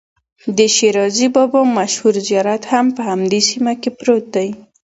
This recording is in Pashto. د شیرازي بابا مشهور زیارت هم په همدې سیمه کې پروت دی.